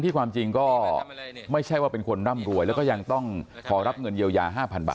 ความจริงก็ไม่ใช่ว่าเป็นคนร่ำรวยแล้วก็ยังต้องขอรับเงินเยียวยา๕๐๐บาท